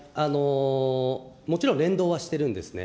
もちろん連動はしてるんですね。